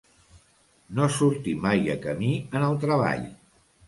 No sortir mai a camí en el treball.